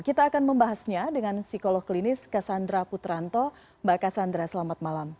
kita akan membahasnya dengan psikolog klinis cassandra putranto mbak kassandra selamat malam